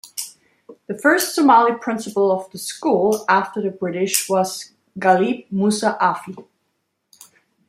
The first Somali principal of the school after the British was Ghalib Musa Afi.